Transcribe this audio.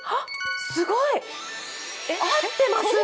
すごい、合ってます。